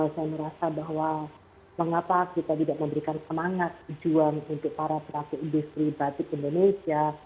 saya merasa bahwa mengapa kita tidak memberikan semangat juang untuk para pelaku industri batik indonesia